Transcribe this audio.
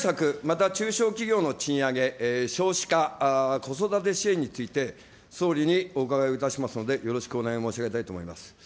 本日は経済対策、また中小企業の賃上げ、少子化子育て支援について、総理にお伺いをいたしますので、よろしくお願いを申し上げたいと思います。